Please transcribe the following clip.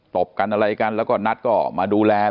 บกันอะไรกันแล้วก็นัทก็มาดูแล